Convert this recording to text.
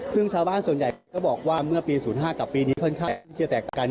ซึ่งชาวบ้านส่วนใหญ่ก็บอกว่าเมื่อปี๐๕กับปีนี้ค่อนข้างที่จะแตกกัน